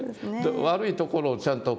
悪いところをちゃんと体で。